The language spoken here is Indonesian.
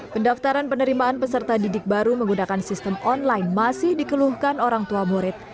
pendaftaran penerimaan peserta didik baru menggunakan sistem online masih dikeluhkan orang tua murid